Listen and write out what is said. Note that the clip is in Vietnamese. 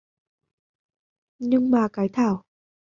Nhưng mà cái thảo